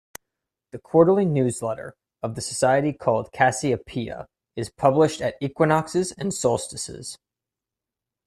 The quarterly newsletter of the Society, called "Cassiopeia" is published at equinoxes and solstices.